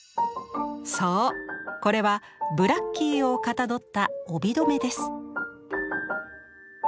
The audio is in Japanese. そうこれはブラッキーをかたどった帯留です。